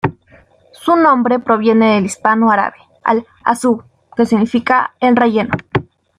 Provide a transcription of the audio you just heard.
Su nombre proviene del hispano-árabe "al-hasú" que significa 'el relleno'.